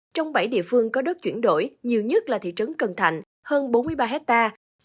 trong bảy địa phương có đất chuyển đổi nhiều nhất là thị trấn cần thạnh hơn bốn mươi ba hectare